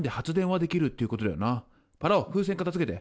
パラオ風船片づけて。